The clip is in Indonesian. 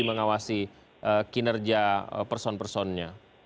mengawasi kinerja person personnya